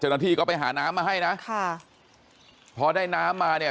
เจ้าหน้าที่ก็ไปหาน้ำมาให้นะค่ะพอได้น้ำมาเนี่ย